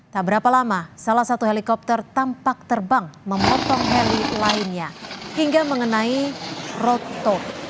tak berapa lama salah satu helikopter tampak terbang memotong heli lainnya hingga mengenai roto